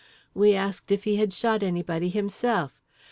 We asked if he had shot anybody himself.